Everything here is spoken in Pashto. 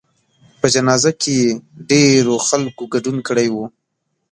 په جنازه کې یې ډېرو خلکو ګډون کړی و.